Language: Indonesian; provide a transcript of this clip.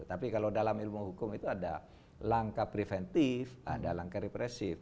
tapi kalau dalam ilmu hukum itu ada langkah preventif ada langkah represif